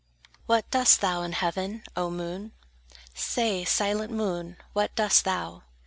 What doest thou in heaven, O moon? Say, silent moon, what doest thou?